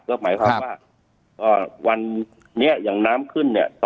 ก็หมายความว่าวันนี้อย่างน้ำขึ้นเนี่ย